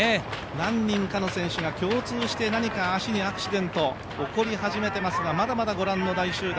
何人かの選手が共通して何か足にアクシデント起こり始めていますがまだまだご覧の大集団。